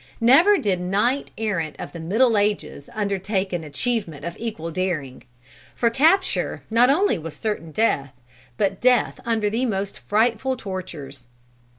Never did knight errant of the middle ages undertake an achievement of equal daring; for capture not only was certain death, but death under the most frightful tortures.